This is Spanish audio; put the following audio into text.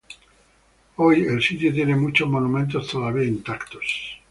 Hoy, el sitio tiene muchos monumentos todavía intactos.